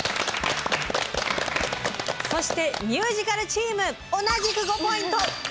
そしてミュージカルチーム同じく５ポイント！